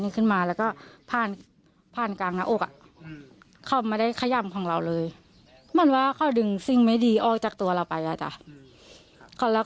หรือว่าอย่างเหมือนว่าอย่างเหมือนว่าหากอยู่ข้างในอะไรอย่างนี้